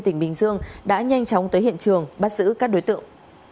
tỉnh bình dương đã nhanh chóng tới hiện trường bắt giữ các đối tượng